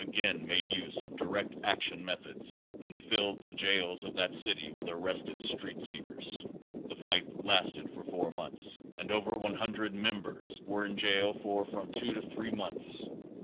again made use of "direct action" methods, and filled the jails of that city with arrested street speakers. The fight lasted for four months, and over 100 members were in jail for from two to three months.